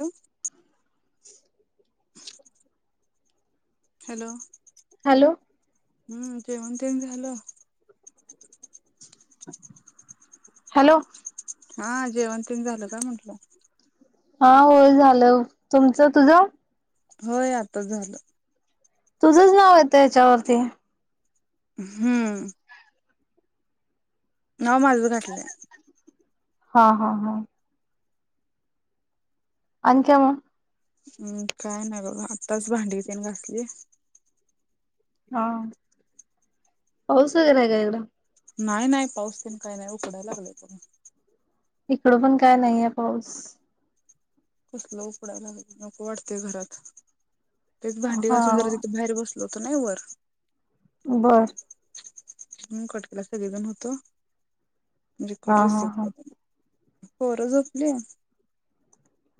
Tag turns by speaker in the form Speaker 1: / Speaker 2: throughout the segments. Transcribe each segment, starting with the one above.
Speaker 1: उ [unintelligible]
Speaker 2: [inaudible]
Speaker 1: hello.
Speaker 2: Hello.
Speaker 1: हम्म जेवण तेण झालं? [inaudible]
Speaker 2: हॅलो.
Speaker 1: हा जेवणं तेन झालं काय म्हंटलं?
Speaker 2: हा होय झालं. तुमचं तुझं?
Speaker 1: होय आताच झालं.
Speaker 2: तुझंच नाव येतं हच्यावरती.
Speaker 1: हम्म. नाव माज घातलंय.
Speaker 2: हा हा हा. आणि काय म?
Speaker 1: उ काय नाही बघ, आत्ताच भांडी तेन घासली.
Speaker 2: हा, पाऊस वगैरे हाय काय तिकडं?
Speaker 1: नाही नाही, पाऊस तेन काय नाय, उकडायला लागला पण
Speaker 2: इकडं पण काय नाहीये पाऊस.
Speaker 1: कसलं उकडायला लागलयं, नको वाटतंय घरात, तेच भांडी
Speaker 2: हा
Speaker 1: घासून जरा तिथ बाहेर बस लो होतो नाय वर.
Speaker 2: बरं.
Speaker 1: म्हणून कट केला. सगळी जण हुतो. म्हणजे
Speaker 2: हा
Speaker 1: कट
Speaker 2: हा हा
Speaker 1: रिसिव्ह केल. पोरं झोपलीय?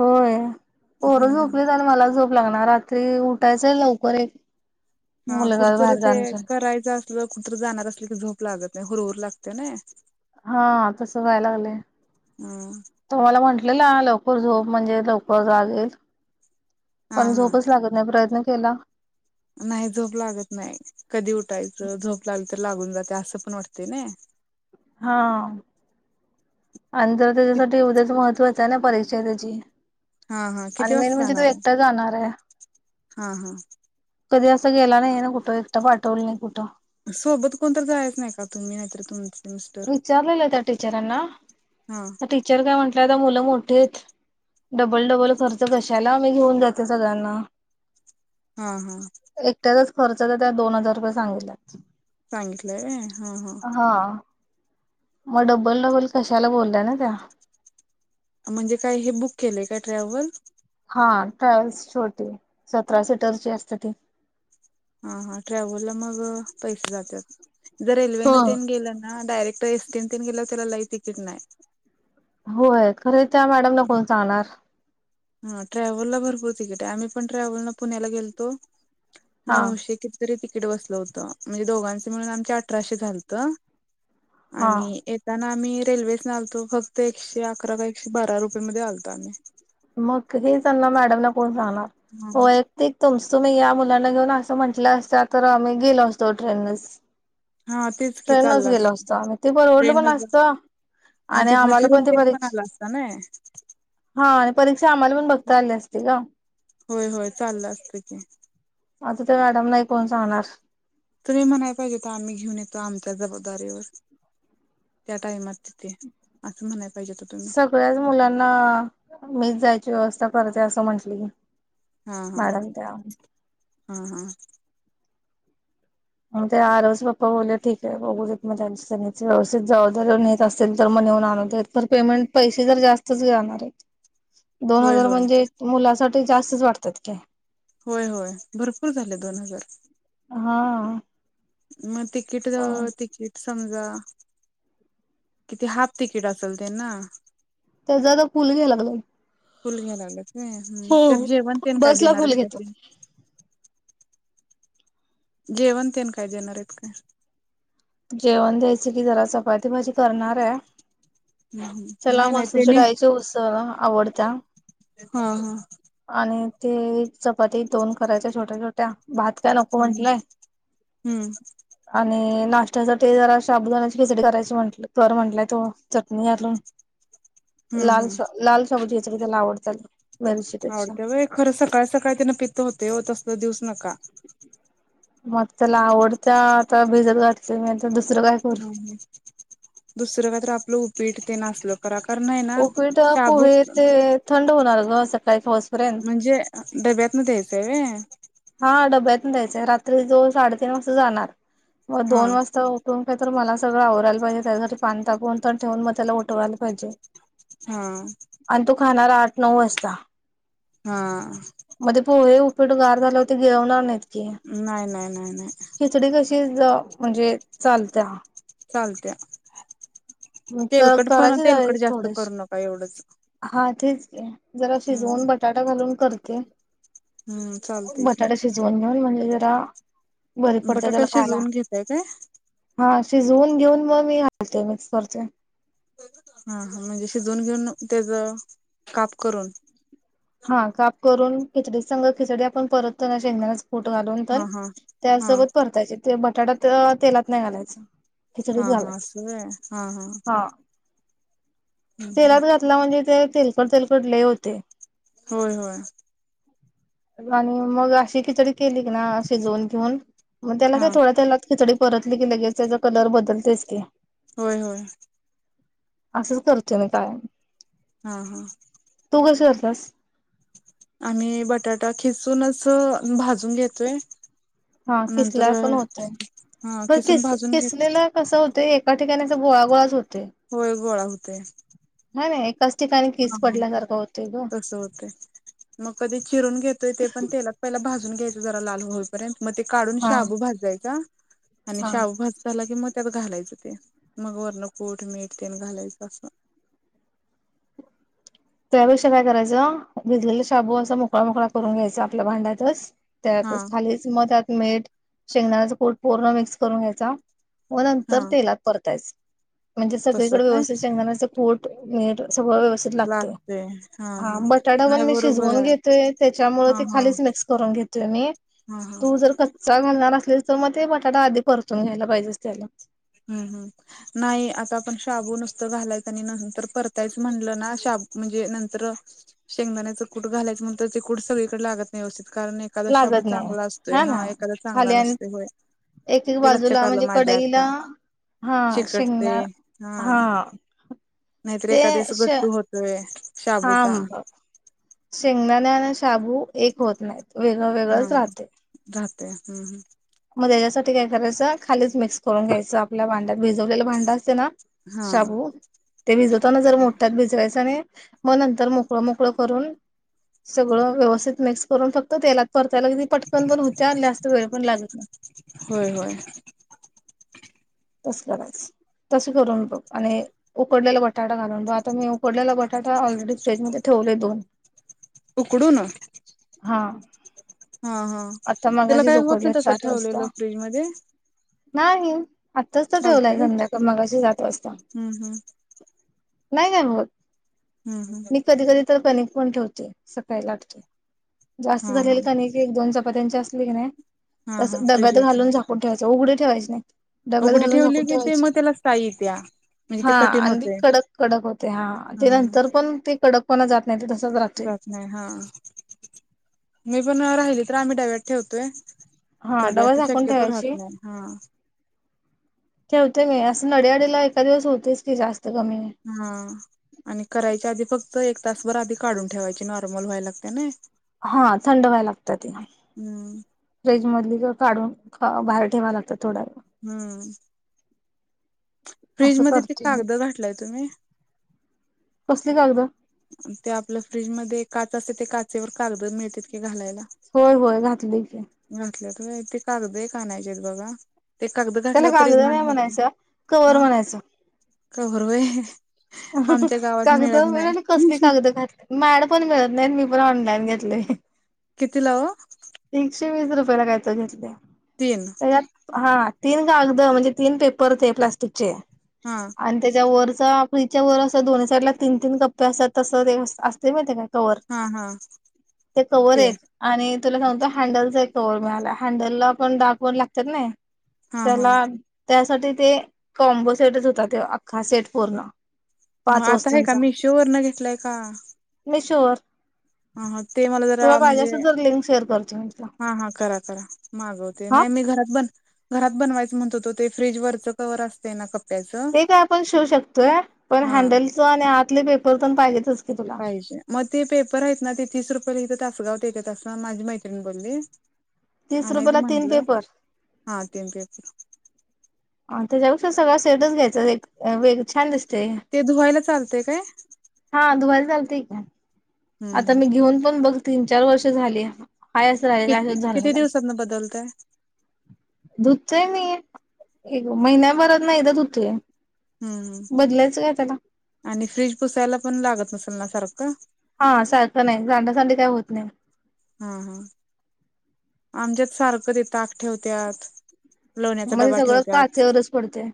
Speaker 2: होय,
Speaker 1: हम्म
Speaker 2: पोरं
Speaker 1: हम्म
Speaker 2: झोपलीत, आणि मला झोप लागणा. रात्री उठायचं लवकर एक
Speaker 1: हा
Speaker 2: मुलगा
Speaker 1: कुठंतर
Speaker 2: बाहेर
Speaker 1: ते
Speaker 2: जाणार आहे.
Speaker 1: करायचं असलं, कुठ तर जाणार असलं की झोप लागत नाही, हुरहुर लागत्या नाय.
Speaker 2: हा तस व्हाय लागलंय.
Speaker 1: हा.
Speaker 2: तो मला म्हटले ला लवकर झोप, म्हणजे लवकर जाग येईल.
Speaker 1: हा
Speaker 2: पण
Speaker 1: हा
Speaker 2: झोपच लागत लई प्रयत्न केला.
Speaker 1: नाही झोप लागत नाही. कधी उठायचं. झोप लागली तर लागून जात्या असं पण वाटतंय नाय.
Speaker 2: हा आणि जर त्याच्यासाठी उद्याच महत्त्वाचंय ना, परीक्षा त्याची.
Speaker 1: हा हा
Speaker 2: आणि
Speaker 1: किती
Speaker 2: मेन
Speaker 1: वाजता
Speaker 2: म्हणजे तो
Speaker 1: जाणार आहे
Speaker 2: एकटा जाणारेय.
Speaker 1: हा हा
Speaker 2: कधी असं गेला नाही ना कुठं, एकटा पाठवलं नाही कुठं.
Speaker 1: सोबत कोण तर जायाच नाही का तुम्ही, नाहीतर तुम
Speaker 2: विचारलेलं त्या टीचरांना,
Speaker 1: हा
Speaker 2: टीचर काय म्हटल्या. आता मुलं मोठीयेत. डबल डबल खर्च कशाला, मी घेऊन जाते सगळ्यांना
Speaker 1: हा हा.
Speaker 2: एकट्याचाच खर्च तर त्यात दोन हजार रुपये सांगितल्यात.
Speaker 1: सांगितलंय व्हय, हं हं
Speaker 2: हा. म डबल डबल कशाला बोलल्या ना त्या
Speaker 1: म्हणजे काय हे बुक केलंय काय, ट्रॅव्हल?
Speaker 2: हा ट्रॅवल्स छोटी, सतरा सीटरची असते ती.
Speaker 1: हा हा ट्रॅव्हलला मग पैसे जात्यात, जर रेल्वे
Speaker 2: हो
Speaker 1: न तेन गेलं ना, डायरेक्ट त एसटी तिन गेल्याव त्याला लय टिकीट नाय.
Speaker 2: होय, खरंय त्या मॅडमला कोण सांगणार?
Speaker 1: ह ट्रॅव्हलला भरपूर तिकीट हाय, आम्ही पण ट्रॅव्हलनं पुण्याला गेलतो
Speaker 2: हा
Speaker 1: नऊशे किती तरी तिकीट बसलं होत, म्हणजे दोघांच मिळून आमचे अठराशे झालत
Speaker 2: हा
Speaker 1: आणि येत ताना आम्ही रेल्वेसन आलतो फक्त एकशे अकरा का एकशे बारा रुपये मध्ये आलतो आम्ही.
Speaker 2: मग हे त्यांना मॅडमना कोण सांगणार व्यय क्तिक तुमचं तुम्ही या मुलांना घेऊन असं म्हटल्या असत्या तर आम्ही गेलो असतो ट्रेन नीच
Speaker 1: हा तेच की
Speaker 2: ट्रेन नच
Speaker 1: चालला
Speaker 2: गेलो
Speaker 1: असता
Speaker 2: असती आम्ही ते परवडलं
Speaker 1: ट्रेन
Speaker 2: पण असत
Speaker 1: आणि तिथनं फिरून तेन पण आला असता नय.
Speaker 2: हा आणि परीक्षा आम्हाला पण बघता आली असती ग
Speaker 1: होय होय चाललं असत की,
Speaker 2: आता त्या मॅडम ना हे कोण सांगणार.
Speaker 1: तुम्ही म्हणाय पाहिजे होत आम्ही घेऊन येतो आमच्या जबाबदारीवर त्या टाइमात तिथे असं म्हणाय पाहिजे होत तुम्ही
Speaker 2: सगळ्याच मुलांना, मीच जायची व्यवस्था करते असं म्हंटली की
Speaker 1: हा हा हा हा.
Speaker 2: म ते आरव चे पप्पा बोलले ठीकये, बघू देत म त्यांच त्यांनीच, व्यवस्थित जबाबदारी नेत असतील तर मग नेऊन आणू देत तर पेमेंट पैसे तर जास्तच जाणार येत दोन
Speaker 1: होय
Speaker 2: हजार
Speaker 1: होय
Speaker 2: म्हणजे मुलासाठी जास्तच वाटतात ते
Speaker 1: होय होय भरपूर झाले दोन हजार
Speaker 2: हा
Speaker 1: म टिकिट
Speaker 2: हा
Speaker 1: दव टिकिट सम जा किती हाफ तिकीट असल ते ना
Speaker 2: त्याजा आता फुल घ्याय लागलंय.
Speaker 1: फुल घ्यायलागलत काय हम्म त्यात जेवण तेण काय
Speaker 2: बसला फुल
Speaker 1: देणारच त्या
Speaker 2: घेतो
Speaker 1: तेनं जेवणतेन काय देणार येत काय?
Speaker 2: जेवण द्यायचं की जरा चपाती भाजी करणार आय. त्याला
Speaker 1: नाही नाही
Speaker 2: मसूरच्या
Speaker 1: त्यानी
Speaker 2: डाळीची उसळ आवडत्या
Speaker 1: हा हा
Speaker 2: आणि ते चपाती दोन करायच्या छोट्या छोट ट्या भात काय नको
Speaker 1: हम्म
Speaker 2: म्हंटलाय
Speaker 1: हम्म
Speaker 2: आणि नाश् त्या साठी जरा शाबुदानाची खिचडी करायची म्हटलं कर म्हटलाय तो चटणी घालून
Speaker 1: हम्म
Speaker 2: लाल सा
Speaker 1: हम्म
Speaker 2: लाल शाबूची खिचडी त्याला आवडत्यात बघ
Speaker 1: आवडतय होय खरं सकाळी सकाळी त्यान पित होतय हो तसलं देऊच नका.
Speaker 2: मग त्याला आवडत्या आता भिजत घात ली मी आता दुसर काय करू.
Speaker 1: ह दुसरं का तर आपलं उपीट ते असल. [unintelligible] करणय ना
Speaker 2: उपीट पोहे
Speaker 1: शाबूत
Speaker 2: ते थंड होणार ग सकाळी पोस.
Speaker 1: म्हणजे डब्यातन द्यायचंय व्हय?
Speaker 2: हा डब्यातन द्यायचंय. रात्री जो साडेतीन वाजता जाणार. व
Speaker 1: हा
Speaker 2: दोन वाजता उठून काहीतरी मला सगळं आवरायला पाहिजे. त्याच्यासाठी पाणी तापवून ठेवून मग त्याला उठवायला पाहिजे.
Speaker 1: हा.
Speaker 2: आणि तो खाणारा आठ नऊ वाजता.
Speaker 1: हा.
Speaker 2: मग ते पोहे उपीट गार झाले व ते गिळवणार नाहीत. की
Speaker 1: नाही नाही नाही नाही.
Speaker 2: खिचडी कशी ज म्हणजे चालत्या.
Speaker 1: चालत्या [inaudible]
Speaker 2: तर
Speaker 1: तेलकट पण
Speaker 2: करायचीच आहे
Speaker 1: तेलकट जास्त
Speaker 2: थोडीशी
Speaker 1: करू नका एवढंच.
Speaker 2: हा तेच की. जरा
Speaker 1: हम्म
Speaker 2: शिजवून बटाटा घालून करते.
Speaker 1: हम्म चालतेय की.
Speaker 2: म्हणूननन म्हणले जरा बरी पडते
Speaker 1: बटाटा
Speaker 2: त्याला खायला.
Speaker 1: शिजवून घेताय काय?
Speaker 2: हा शिजवून घेऊन मग मी घालते. मिक्स करते.
Speaker 1: हा हा म्हणजे शिजून घेऊन त्याच काप करून.
Speaker 2: हा काप करून खिचडी संग. खिचडी आपण परततो ना शेंगदाणच कुट घालून
Speaker 1: हा
Speaker 2: तर.
Speaker 1: हा हा
Speaker 2: त्यासोबत परतायचे ते बटाट्या तेलात नाही घालायचं. खिचडीत
Speaker 1: हा हा.
Speaker 2: घालायच
Speaker 1: अस होय? हा हा. हम्म
Speaker 2: तेलात घातला म्हणजे ते तेलकट तेलकट लई होते.
Speaker 1: होय होय.
Speaker 2: आणि मग अशी किचडी केली की नाय, शिजून घेऊन. मग त्याला
Speaker 1: हा
Speaker 2: काय थोडा तेलात खिचडी परतली की लगेच त्याचा कलर बदलतेस की.
Speaker 1: होय होय.
Speaker 2: असंच करतोय मी कायम.
Speaker 1: हा हा.
Speaker 2: तू कशी करतेस?
Speaker 1: आम्ही बटाटा खिचूनच भाजून घेतोय.
Speaker 2: हा
Speaker 1: नंतर
Speaker 2: किसल्यावर पण होतय
Speaker 1: हा
Speaker 2: [inaudible] पर
Speaker 1: खिसून
Speaker 2: कीस
Speaker 1: भाजून घेत
Speaker 2: किसलेला कसं होतेय? का ठिकाणी अस गोळागोळाच होतेय.
Speaker 1: होय गोळा होतय.
Speaker 2: हा ना एकाच ठिकाणी
Speaker 1: हा
Speaker 2: कीस
Speaker 1: हा.
Speaker 2: पडल्यासारखं होते ग
Speaker 1: तस होतय. मग कधी चिरून घेतोय. ते पण तेलात पहिला भाजून घ्यायच. जरा लाल होईपर्यंत. मग ते काढून
Speaker 2: हा
Speaker 1: शाबू भाजायचा. आणि
Speaker 2: हा
Speaker 1: शाबू भाज झाला की मग त्यात घालायचं ते. मग वर्ण कुठ मीठ तेन घालायचं असं.
Speaker 2: त्या यापेक्षा काय करायचं, भिजलेले शाबू असा मोकळा मोकळा करून घ्यायचा. आपल्या भांड्यातच.
Speaker 1: हा
Speaker 2: त्यातच खालीच म त्यात मीठ शेंगदाण्याचा कुठ पूर्ण मिक्स करून घ्यायचा. म नंतर
Speaker 1: हा
Speaker 2: तेलात परतायच. म्हणजे
Speaker 1: तसं
Speaker 2: सगळीकडे
Speaker 1: काय
Speaker 2: व्यवस्थित शेंगदाण्याच कुठ मीठ सगळ व्यवस्
Speaker 1: लाक ते. हा हा.
Speaker 2: पण
Speaker 1: नाही
Speaker 2: मी
Speaker 1: बरोबरे.
Speaker 2: शिजवून घेतोय त्याच्यामुळे
Speaker 1: हा
Speaker 2: ते
Speaker 1: हा.
Speaker 2: खालीच मिक्स करून घेतोय मी
Speaker 1: ह ह.
Speaker 2: तू जर कच्चा घालणार असलीस तर, मग ते बटाटा आधी परतून घ्यायला पाहिजे तेलात.
Speaker 1: हम् हम्. नाही आता आपण शाबू नुसतं घालायचं आणि नंतर परतायच म्हणलं ना शाब म्हणजे नंतर शेंगदाण्याचं कूट घालायच नंतर ते कूट सगळीकडे लागत नाही व्यवस्थित कारण ही एखादा शाबु
Speaker 2: लागत नाही
Speaker 1: चांगला असतोय, हा
Speaker 2: ना
Speaker 1: एखादा चांगला
Speaker 2: खाली आणि
Speaker 1: नसते होय.
Speaker 2: एक एक
Speaker 1: ते लक्षात
Speaker 2: बाजूला
Speaker 1: आल
Speaker 2: म्हणजे
Speaker 1: माझ्या
Speaker 2: कढईला
Speaker 1: आता
Speaker 2: हा
Speaker 1: चिकटते,
Speaker 2: शेंगदाणा
Speaker 1: हा. नाहीतर
Speaker 2: ते
Speaker 1: एखादेस
Speaker 2: श
Speaker 1: गट्टू होतोय.
Speaker 2: हा,
Speaker 1: शाबूचा
Speaker 2: शेंगदाण्या आणि शाबू एक होत नाहीत.
Speaker 1: हा
Speaker 2: वेगळंवेेगळंच राहते.
Speaker 1: राहते हम्म हम.
Speaker 2: मग त्याच्यासाठी काय करायचं खालीच मिक्स करून घ्यायचं आपल्या भांड्यात. भिजवलेला भांडा असते ना,
Speaker 1: हा
Speaker 2: शाबू ते भिजवताना जर मोठ्यात भिजवायच आणि मग नंतर मोकळं-मोकळं करून सगळं व्यवस्थित मिक्स करून फक्त तेलात परतायला कणी पटकन पण होत्या जास्त वेळ पण लागत नाही.
Speaker 1: होय होय.
Speaker 2: तस करायचं तस करून बघ आणि उकडलेला बटाटा घालून बघ आता मी फोडल्याला बटाटा ऑलरेडी फ्रीजमध्ये ठेवले दोन.
Speaker 1: उकडूून?
Speaker 2: हा.
Speaker 1: हा हा,
Speaker 2: आता
Speaker 1: त्याला
Speaker 2: मगाशीच
Speaker 1: काय होत नाही
Speaker 2: उकडलेत
Speaker 1: तसं
Speaker 2: सात
Speaker 1: ठेवलेलं
Speaker 2: वाजता
Speaker 1: फ्रीज मध्ये?
Speaker 2: नाही आत्ताच तर
Speaker 1: चालते
Speaker 2: ठेवलंय
Speaker 1: काय
Speaker 2: संध्याका मगाशी सात वाजता.
Speaker 1: हम्म हम्म
Speaker 2: नाही काय होत.
Speaker 1: हम् हम्.
Speaker 2: कधी-कधी तर कने पण ठेवतो सकाळी जास्त
Speaker 1: हा हा
Speaker 2: झालेलं का णी एक-दोन चपात्यांची असली की नाही
Speaker 1: हा
Speaker 2: तस
Speaker 1: हा
Speaker 2: डब्यात
Speaker 1: फ्रीजला ठेव
Speaker 2: घालून झाकून ठेवायचं उघडी ठेवायची नाही. डब्यात
Speaker 1: उघडी
Speaker 2: घालून
Speaker 1: ठेवली
Speaker 2: झाकून
Speaker 1: की ते मग
Speaker 2: ठेवायची
Speaker 1: त्याला साई येत्या.
Speaker 2: हा
Speaker 1: ते कठीण
Speaker 2: आणि ति
Speaker 1: होते
Speaker 2: कडक-कडक होते हा, ते
Speaker 1: हा
Speaker 2: नंतर पण ते कडकपणा जात नाही ते तसच राहते.
Speaker 1: जात नाही हा, मी पण राहिली तर आम्ही डब्यात ठेवतोय.
Speaker 2: हा
Speaker 1: कधी
Speaker 2: डबा
Speaker 1: असं
Speaker 2: झाकून
Speaker 1: शक्यतो राहत
Speaker 2: ठेवायची
Speaker 1: नाही, हा.
Speaker 2: ठेवते मी असं नड्यायाडीला एका दिवस होतेच की जास्त कमी.
Speaker 1: हा. आणि करायच्या आधी फक्त एक तासभर आधी काढून ठेवायचे नॉर्मल व्हाय लागते ना.
Speaker 2: हा थंड व्हाय लागत ते.
Speaker 1: हम्म
Speaker 2: [inaudible] फ्रीज मधली काढून बाहेर ठेवा लागतात थोडा.
Speaker 1: हम्म. फ्रीज
Speaker 2: असं
Speaker 1: मध्ये ते
Speaker 2: करते मी.
Speaker 1: कागद घातलाय तुम्ही
Speaker 2: कसली कागद?
Speaker 1: ते आपलं फ्रीजमध्ये काच असत ते काचेवर कागद मिळत की घालायला.
Speaker 2: होय होय घातलं की.
Speaker 1: घातल्या तर ते कागदही पाण्याचे आहेत बघा. ते कागद
Speaker 2: त्याला
Speaker 1: घातल्यावर तरी
Speaker 2: कागद
Speaker 1: घाण
Speaker 2: नाही
Speaker 1: होत
Speaker 2: म्हणायचं कवर
Speaker 1: हा,
Speaker 2: म्हणायचं
Speaker 1: का‌‌ बर ये.
Speaker 2: कागद मिळा कस मी कागद घात, माड पण मिळत नाहीत मी पण ऑनलाईन घेतले.
Speaker 1: कितीला वो?
Speaker 2: तीनसे वीस रुपयाला कायतर घेतलं.
Speaker 1: तीन?
Speaker 2: हा तिन कागद म्हणजे तीन पेपर होते प्लास्टिकचे,
Speaker 1: हा
Speaker 2: आणि त्याच्या वरच फ्रीजच्या वर अस दोन्ही साईड ला तीन तीन कप्पे असतात तसं ते असते माहितीय काय? कवर.
Speaker 1: हा हा
Speaker 2: ते कवर एक आणि तुला सांगतो हँडलचा एक कवर मिळाला हँडलला आपण डाग वन लागतात नाही.
Speaker 1: हा हा
Speaker 2: त्याला त्यासाठी ते कॉम्बो सेटच होता ते अख्खा सेट पूर्ण पाच
Speaker 1: आता हे का मीशो वरन घेतलय का?
Speaker 2: मीशू वर.
Speaker 1: ह ह ते मला जरा म्हणजे - -
Speaker 2: तर लिंक शेअर करतो मी तुला.
Speaker 1: हा -हा करा -करा मागवते.
Speaker 2: हा
Speaker 1: नाही मी घरात बन घरात बनवायचं म्हणत होतो ते फ्रीज वरचं कवर असते ना? कप्प
Speaker 2: ते काय आपण शिवू शकतोय पण
Speaker 1: हा
Speaker 2: हँडलचं आणि आतले पेपर पण पाहिजेतच. की तुला
Speaker 1: पाहिजे. मग ते पेपर आहेत ना? ते तीस रुपये ला तासगावत येतेत अस माझी मैत्रिणी बोलली.
Speaker 2: तीस
Speaker 1: आणायच
Speaker 2: रुपयाला तीन
Speaker 1: म्हटलं.
Speaker 2: पेपर
Speaker 1: हा तीन पेपर.
Speaker 2: हा त्याच्यापेक्षा सगळ सेटच घ्यायचा. एक वेग छान दिसतय.
Speaker 1: ते धुवायला चालते काय?
Speaker 2: हा धुवायला चालतय की.
Speaker 1: हम्म
Speaker 2: आता
Speaker 1: हम्म
Speaker 2: मी घेऊन पण बघ तीन - चार वर्ष झाली. हाय असं राहिलंय.
Speaker 1: किती
Speaker 2: झालं नाही
Speaker 1: किती
Speaker 2: त्याला.
Speaker 1: दिवसातन बदलतय
Speaker 2: धुतोय मी एक महिन्याभरात न एकदा धुतोय.
Speaker 1: हम्म
Speaker 2: बदलायचं काय त्याला
Speaker 1: आणि फ्रीज पुसायला पण लागत नसेल ना सारखं.
Speaker 2: हा सारखं नाही सांडासांडी काय होत नाही.
Speaker 1: हा हा. आमच्यात सारखं ते ताक ठेवत्यात. लोण्याचा
Speaker 2: मग ते
Speaker 1: डबा
Speaker 2: सगळं
Speaker 1: ठेवत्यात.
Speaker 2: काचेवरच पडतय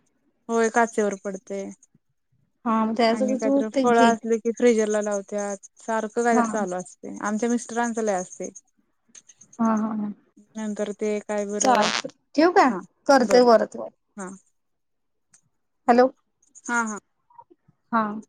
Speaker 1: होय काचेवर पडतय.
Speaker 2: हा मग
Speaker 1: आणि
Speaker 2: त्यासाठी तू
Speaker 1: काहीतर
Speaker 2: ते
Speaker 1: फळं
Speaker 2: घे
Speaker 1: असलं की फ्रीजर ला लावत्यात सारखं
Speaker 2: हा
Speaker 1: काहीतरी चालू असतं आमच्या मिस्टरांचा लई असतय.
Speaker 2: हा हा
Speaker 1: नंतर ते काय बरं
Speaker 2: चालत् ठेऊ काय
Speaker 1: हा
Speaker 2: करतेय
Speaker 1: बरं
Speaker 2: वर ती
Speaker 1: हा.
Speaker 2: हॅलो!
Speaker 1: हा हा.
Speaker 2: हां.